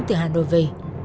từ hà nội về